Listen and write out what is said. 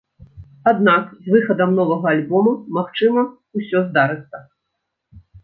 Аднак, з выхадам новага альбома, магчыма, усё здарыцца.